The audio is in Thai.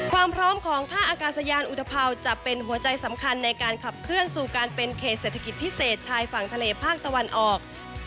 ความพร้อมของท่าอากาศยานอุทภาวจะเป็นหัวใจสำคัญในการขับเคลื่อนสู่การเป็นเขตเศรษฐกิจพิเศษชายฝั่งทะเลภาคตะวันออก